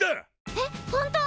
えっ本当！？